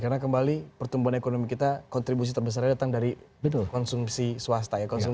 karena kembali pertumbuhan ekonomi kita kontribusi terbesarnya datang dari konsumsi swasta ya